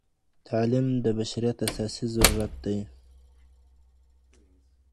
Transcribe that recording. تعليم د بشريت اساسي ضرورت دی.